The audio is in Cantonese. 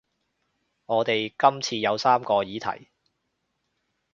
我哋今次有三個議題